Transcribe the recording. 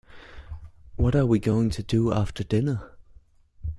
What are we going to do after dinner?